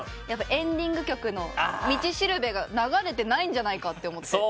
エンディング曲の『みちしるべ』が流れてないんじゃないかと思って。